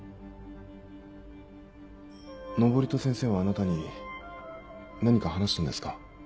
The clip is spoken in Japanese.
登戸先生はあなたに何か話したんですか？